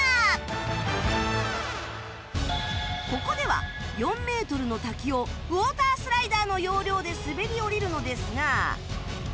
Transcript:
ここでは４メートルの滝をウォータースライダーの要領で滑り降りるのですが